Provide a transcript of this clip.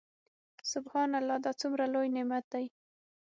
سبحان الله دا څومره لوى نعمت دى.